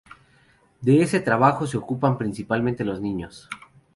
De ese trabajo se ocupan principalmente los niños.